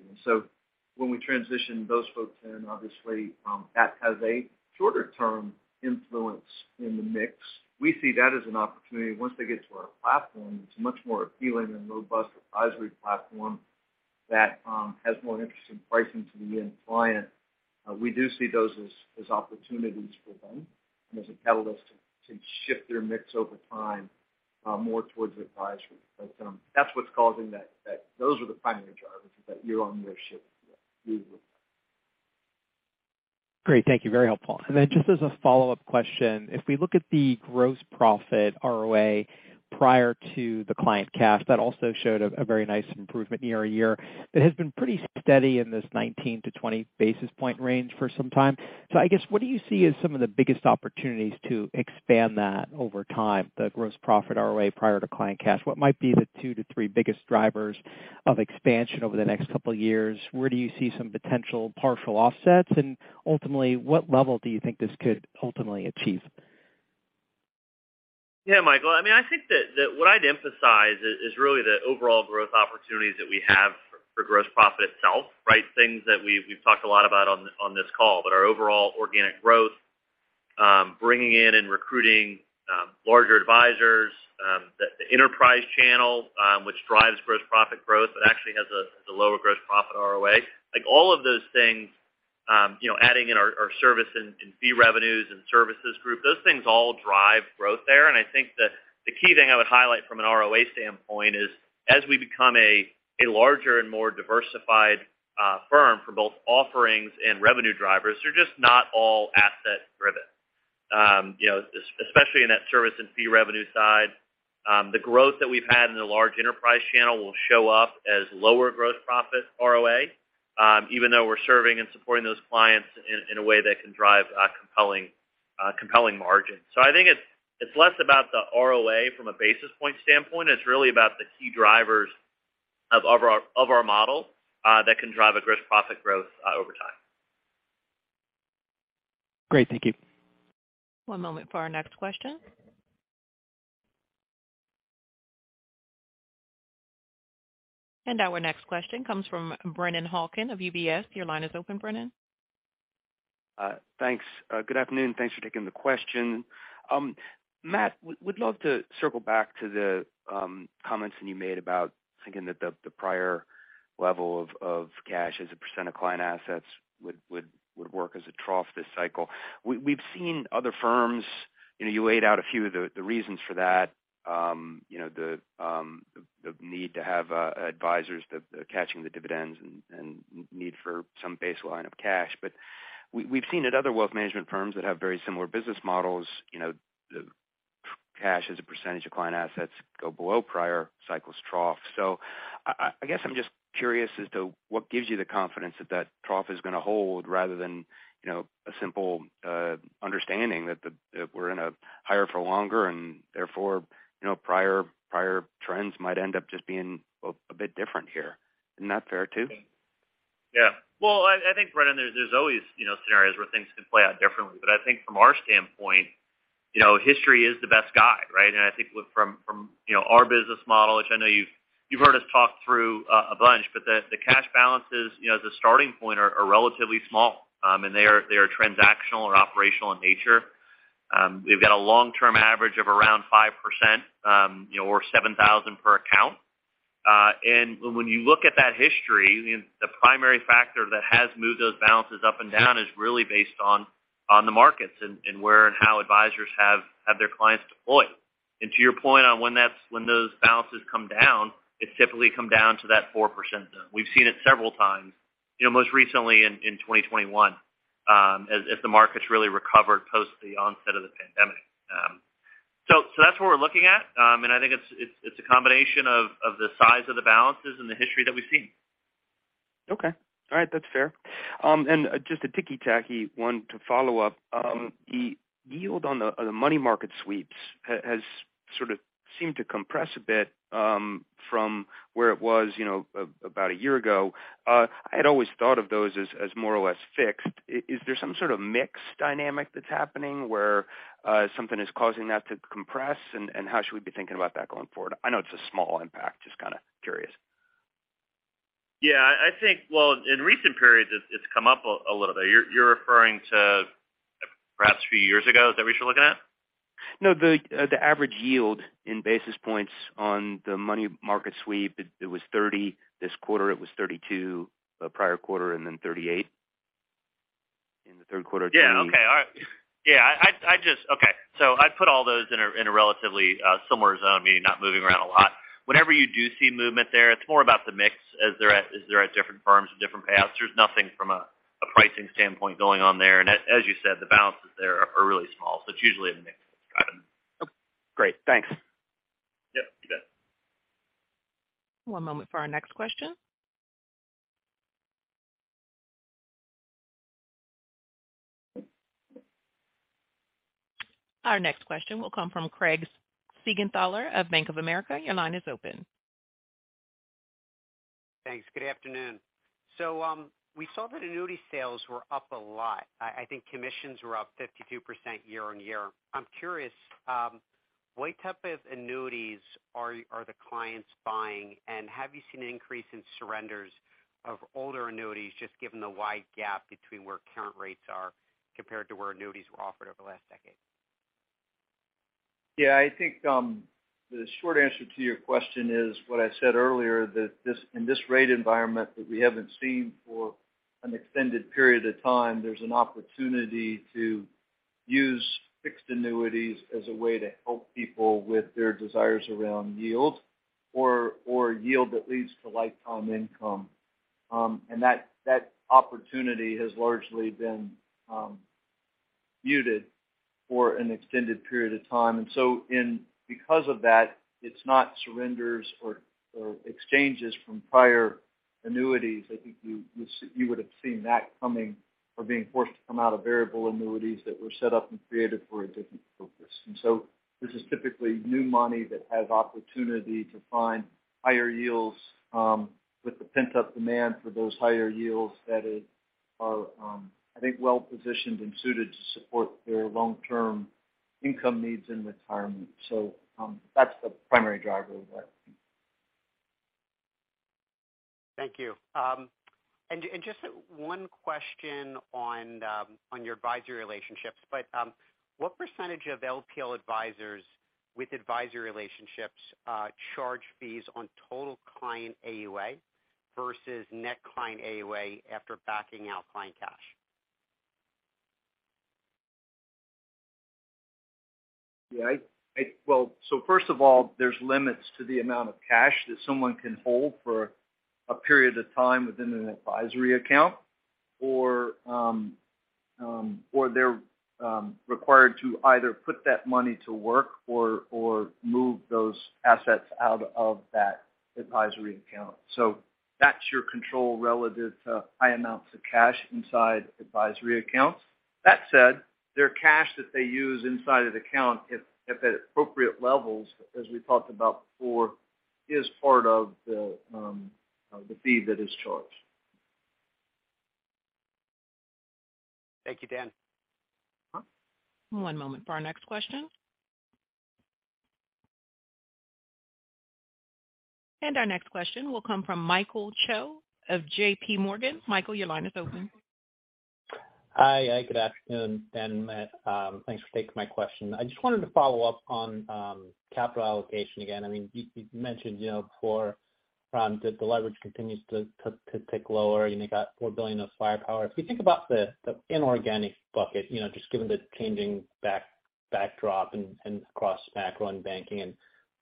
Speaker 2: When we transition those folks in, obviously, that has a shorter term influence in the mix. We see that as an opportunity. Once they get to our platform, it's a much more appealing and robust advisory platform that has more interesting pricing to the end client. We do see those as opportunities for them and as a catalyst to shift their mix over time more towards advisory. That's what's causing that. Those are the primary drivers of that year-on-year shift that you referred to.
Speaker 8: Great. Thank you. Very helpful. Just as a follow-up question, if we look at the Gross Profit ROA prior to the client cash, that also showed a very nice improvement year over year. That has been pretty steady in this 19 to 20 basis point range for some time. I guess, what do you see as some of the biggest opportunities to expand that over time, the Gross Profit ROA prior to client cash? What might be the two to three biggest drivers of expansion over the next couple of years? Where do you see some potential partial offsets? Ultimately, what level do you think this could ultimately achieve?
Speaker 3: Yeah, Michael, I mean, I think that what I'd emphasize is really the overall growth opportunities that we have for Gross Profit itself, right? Things that we've talked a lot about on this call, but our overall organic growth, bringing in and recruiting larger advisors, the enterprise channel, which drives Gross Profit growth but actually has the lower Gross Profit ROA. Like, all of those things, you know, adding in our service and fee revenues and services group, those things all drive growth there. I think the key thing I would highlight from an ROA standpoint is as we become a larger and more diversified firm for both offerings and revenue drivers, they're just not all asset driven. You know, especially in that service and fee revenue side, the growth that we've had in the large enterprise channel will show up as lower Gross Profit ROA, even though we're serving and supporting those clients in a way that can drive compelling margin. I think it's less about the ROA from a basis point standpoint. It's really about the key drivers of our model that can drive a gross profit growth over time.
Speaker 8: Great. Thank you.
Speaker 1: One moment for our next question. Our next question comes from Brennan Hawken of UBS. Your line is open, Brennan.
Speaker 9: Thanks. Good afternoon. Thanks for taking the question. Matt, would love to circle back to the comments that you made about thinking that the prior level of cash as a % of client assets would work as a trough this cycle. We've seen other firms, you know, you laid out a few of the reasons for that, you know, the need to have advisors that are catching the dividends and need for some baseline of cash. We've seen at other wealth management firms that have very similar business models, you know, cash as a % of client assets go below prior cycles troughs. I guess I'm just curious as to what gives you the confidence that that trough is gonna hold rather than, you know, a simple understanding that we're in a higher for longer and therefore, you know, prior trends might end up just being a bit different here. Isn't that fair, too?
Speaker 3: Yeah. Well, I think, Brennan, there's always, you know, scenarios where things can play out differently. I think from our standpoint, you know, history is the best guide, right? I think with, from, you know, our business model, which I know you've heard us talk through a bunch, but the cash balances, you know, as a starting point are relatively small, and they are transactional or operational in nature. We've got a long-term average of around 5%, you know, or 7,000 per account. When you look at that history, the primary factor that has moved those balances up and down is really based on the markets and where and how advisors have their clients deployed. To your point on when those balances come down, it's typically come down to that 4%. We've seen it several times, you know, most recently in 2021, as the markets really recovered post the onset of the pandemic. So that's what we're looking at. And I think it's a combination of the size of the balances and the history that we've seen.
Speaker 9: Okay. All right. That's fair. Just a ticky-tacky one to follow up. The yield on the money market sweeps has sort of seemed to compress a bit from where it was, you know, about a year ago. I had always thought of those as more or less fixed. Is there some sort of mix dynamic that's happening where something is causing that to compress, and how should we be thinking about that going forward? I know it's a small impact. Just kind of curious.
Speaker 3: Yeah. I think, well, in recent periods, it's come up a little bit. You're referring to perhaps a few years ago. Is that what you're looking at?
Speaker 9: No. The average yield in basis points on the money market sweep, it was 30. This quarter, it was 32. The prior quarter, then 38 in the third quarter.
Speaker 3: Okay. All right. I just. Okay. I put all those in a relatively similar zone, meaning not moving around a lot. Whenever you do see movement there, it's more about the mix as they're at different firms and different paths. There's nothing from a pricing standpoint going on there. As you said, the balances there are really small, so it's usually a mix that's driven.
Speaker 9: Okay. Great. Thanks.
Speaker 3: Yep. You bet.
Speaker 1: One moment for our next question. Our next question will come from Craig Siegenthaler of Bank of America. Your line is open.
Speaker 10: Thanks. Good afternoon. We saw that annuity sales were up a lot. I think commissions were up 52% year-on-year. I'm curious, what type of annuities are the clients buying? Have you seen an increase in surrenders of older annuities just given the wide gap between where current rates are compared to where annuities were offered over the last decade?
Speaker 2: Yeah. I think, the short answer to your question is what I said earlier, that in this rate environment that we haven't seen for an extended period of time, there's an opportunity to use fixed annuities as a way to help people with their desires around yield or yield that leads to lifetime income. That, that opportunity has largely been, muted for an extended period of time. Because of that, it's not surrenders or exchanges from prior annuities. I think you would've seen that coming or being forced to come out of variable annuities that were set up and created for a different purpose. This is typically new money that has opportunity to find higher yields, with the pent-up demand for those higher yields that Are, I think well-positioned and suited to support their long-term income needs in retirement. That's the primary driver of that.
Speaker 10: Thank you. Just one question on your advisory relationships. What percentage of LPL advisors with advisory relationships charge fees on total client AUA versus net client AUA after backing out client cash?
Speaker 2: I first of all, there's limits to the amount of cash that someone can hold for a period of time within an advisory account or they're required to either put that money to work or move those assets out of that advisory account. That's your control relative to high amounts of cash inside advisory accounts. Their cash that they use inside of the account, if at appropriate levels, as we talked about before, is part of the fee that is charged.
Speaker 10: Thank you, Dan.
Speaker 1: One moment for our next question. Our next question will come from Michael Cho of JPMorgan. Michael, your line is open.
Speaker 11: Hi. Good afternoon, Dan and Matt. Thanks for taking my question. I just wanted to follow up on capital allocation again. I mean, you've mentioned, you know, before, that the leverage continues to tick lower, and you got $4 billion of firepower. If you think about the inorganic bucket, you know, just given the changing backdrop and across macro and banking, and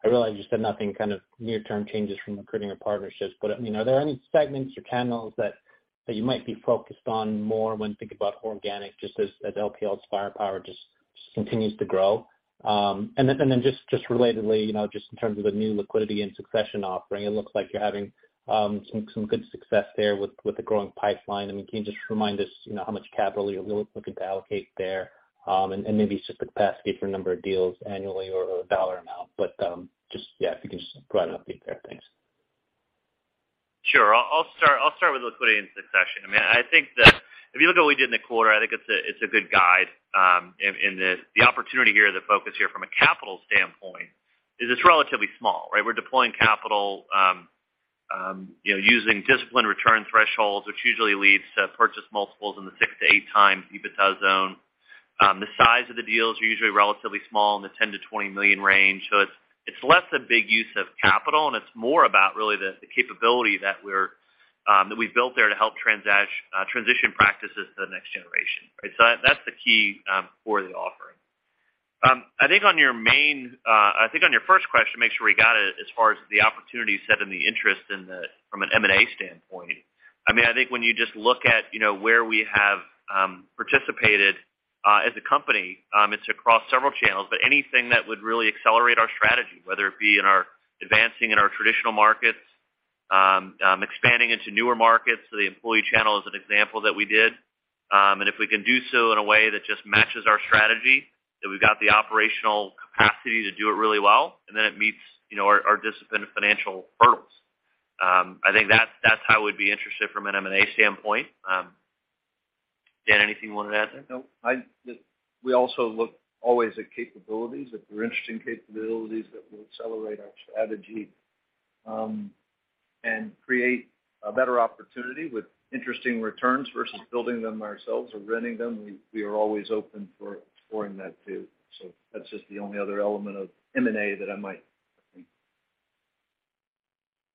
Speaker 11: I realize you said nothing kind of near-term changes from recruiting or partnerships. I mean, are there any segments or channels that you might be focused on more when thinking about organic just as LPL's firepower just continues to grow? And then just relatedly, you know, just in terms of the new Liquidity & Succession offering, it looks like you're having some good success there with the growing pipeline. I mean, can you just remind us, you know, how much capital you're looking to allocate there? Maybe just the capacity for a number of deals annually or dollar amount. Just, yeah, if you can just provide an update there. Thanks.
Speaker 3: Sure. I'll start with Liquidity & Succession. I mean, I think that if you look at what we did in the quarter, I think it's a good guide. The opportunity here, the focus here from a capital standpoint is it's relatively small, right? We're deploying capital, you know, using disciplined return thresholds, which usually leads to purchase multiples in the 6x to 8x EBITDA zone. The size of the deals are usually relatively small, in the $10 million-$20 million range. It's less a big use of capital, and it's more about really the capability that we've built there to help transition practices to the next generation. Right? That's the key for the offering. I think on your main, I think on your first question, make sure we got it as far as the opportunities set and the interest in the, from an M&A standpoint. I mean, I think when you just look at, you know, where we have participated as a company, it's across several channels. Anything that would really accelerate our strategy, whether it be in our advancing in our traditional markets, expanding into newer markets. The Employee channel is an example that we did. If we can do so in a way that just matches our strategy, that we've got the operational capacity to do it really well, and then it meets, you know, our disciplined financial hurdles. I think that's how we'd be interested from an M&A standpoint. Dan, anything you wanna add there?
Speaker 2: No. We also look always at capabilities. If there are interesting capabilities that will accelerate our strategy, and create a better opportunity with interesting returns versus building them ourselves or renting them, we are always open for exploring that too. That's just the only other element of M&A that I might think.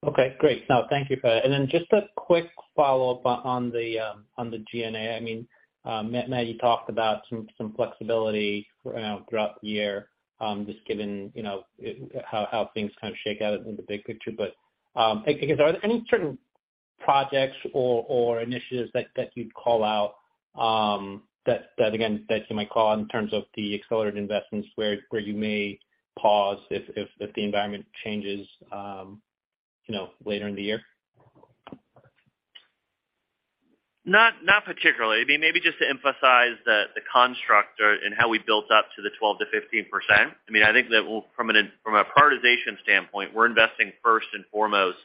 Speaker 11: Okay, great. No, thank you for that. Then just a quick follow-up on the G&A. I mean, Matt, you talked about some flexibility, you know, throughout the year, just given, you know, how things kind of shake out in the big picture. I guess, are there any certain projects or initiatives that you'd call out that again, that you might call on in terms of the accelerated investments where you may pause if the environment changes, you know, later in the year?
Speaker 3: Not particularly. I mean, maybe just to emphasize the construct or, and how we built up to the 12% to 15%. I mean, I think that we'll. From a prioritization standpoint, we're investing first and foremost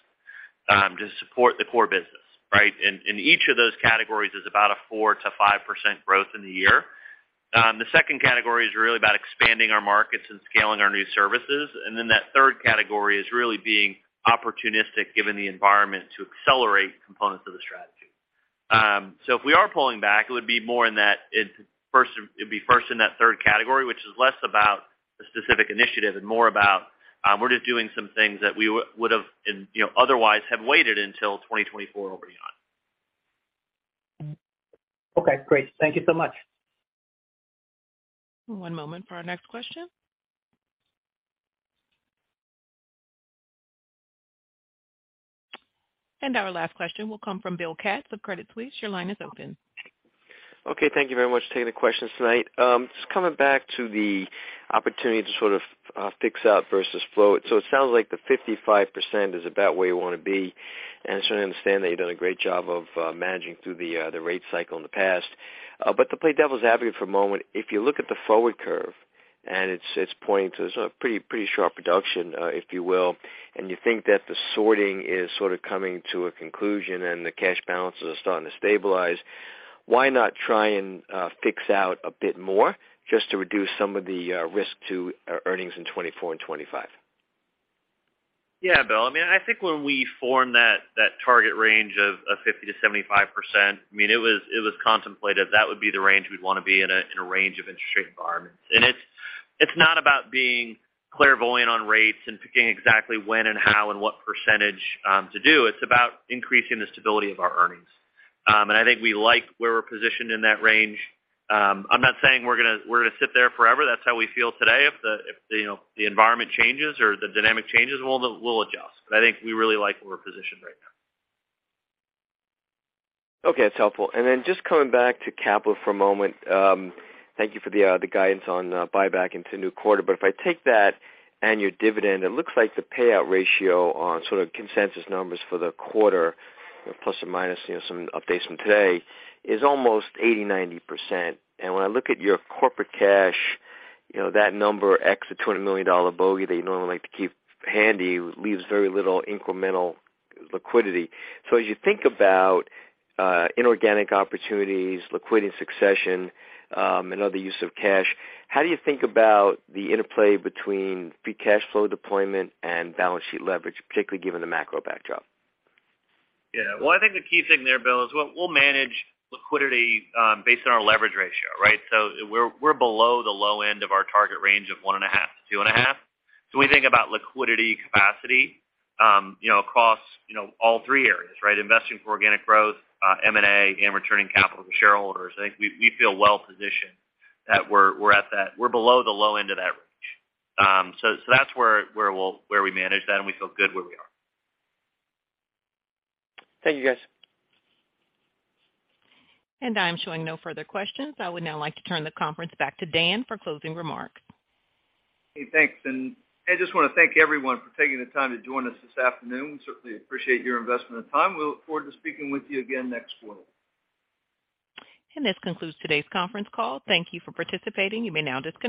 Speaker 3: to support the core business, right? Each of those categories is about a 4% to 5% growth in the year. The second category is really about expanding our markets and scaling our new services. That third category is really being opportunistic given the environment to accelerate components of the strategy. If we are pulling back, it would be more in that it'd be first in that third category, which is less about the specific initiative and more about, we're just doing some things that we would've in, you know, otherwise have waited until 2024 or beyond.
Speaker 11: Okay, great. Thank you so much.
Speaker 1: One moment for our next question. Our last question will come from Bill Katz of Credit Suisse. Your line is open.
Speaker 12: Okay, thank you very much for taking the questions tonight. Just coming back to the opportunity to sort of fix up versus flow. It sounds like the 55% is about where you wanna be. I certainly understand that you've done a great job of managing through the rate cycle in the past. To play devil's advocate for a moment, if you look at the forward curve. It's pointing to a sort of pretty sharp reduction, if you will. You think that the sorting is sort of coming to a conclusion and the cash balances are starting to stabilize. Why not try and fix out a bit more just to reduce some of the risk to our earnings in 2024 and 2025?
Speaker 3: Yeah. Bill, I mean, I think when we form that target range of 50%-75%, I mean, it was contemplated that would be the range we'd wanna be in a range of interest rate environments. It's not about being clairvoyant on rates and picking exactly when and how and what percentage to do. It's about increasing the stability of our earnings. I think we like where we're positioned in that range. I'm not saying we're gonna sit there forever. That's how we feel today. If the, you know, the environment changes or the dynamic changes, we'll adjust. I think we really like where we're positioned right now.
Speaker 12: Okay, that's helpful. Just coming back to capital for a moment. Thank you for the guidance on buyback into new quarter. If I take that and your dividend, it looks like the payout ratio on sort of consensus numbers for the quarter, plus or minus, you know, some updates from today, is almost 80%-90%. When I look at your corporate cash, you know, that number ex the $20 million bogey that you normally like to keep handy leaves very little incremental liquidity. As you think about inorganic opportunities, Liquidity & Succession, and other use of cash, how do you think about the interplay between free cash flow deployment and balance sheet leverage, particularly given the macro backdrop?
Speaker 3: Well, I think the key thing there, Bill, is we'll manage liquidity, based on our leverage ratio, right. We're below the low end of our target range of 1.5-2.5. When we think about liquidity capacity, you know, across, you know, all three areas, right. Investing for organic growth, M&A, and returning capital to shareholders. I think we feel well positioned that we're below the low end of that range. That's where we'll manage that, and we feel good where we are.
Speaker 12: Thank you, guys.
Speaker 1: I'm showing no further questions. I would now like to turn the conference back to Dan for closing remarks.
Speaker 3: Hey, thanks. I just want to thank everyone for taking the time to join us this afternoon. Certainly appreciate your investment and time. We look forward to speaking with you again next quarter.
Speaker 1: This concludes today's conference call. Thank you for participating. You may now disconnect.